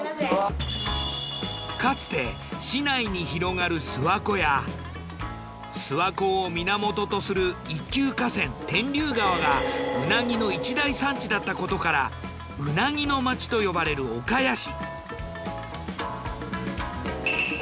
かつて市内に広がる諏訪湖や諏訪湖を源とする一級河川天竜川がうなぎの一大産地だったことからうなぎの町と呼ばれる岡谷市。